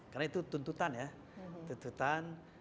karena itu tuntutan ya tuntutan